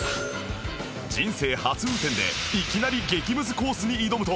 人生初運転でいきなり激ムズコースに挑むと